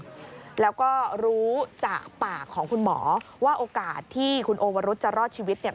แล้วก็รู้จากปากของคุณหมอว่าโอกาสที่คุณโอวรุษจะรอดชีวิตเนี่ย